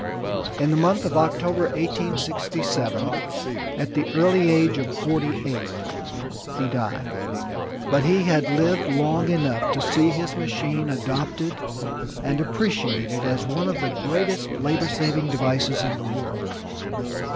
In the month of October, 1867, at the early age of forty eight he died. But he had lived long enough to see his machine adopted and appreciated as one of the greatest labor saving devices in the world.